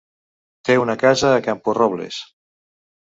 Té una casa a Camporrobles.